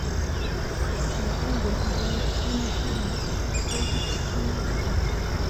متل دی: خبره سپینه ښه ده، غوښه پسینه ښه ده.